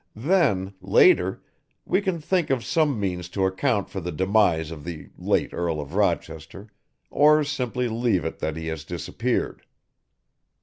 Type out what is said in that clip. Then, later, we can think of some means to account for the demise of the late Earl of Rochester or simply leave it that he has disappeared."